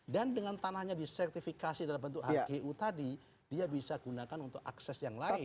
dan dengan tanahnya disertifikasi dalam bentuk hq tadi dia bisa digunakan untuk akses yang lain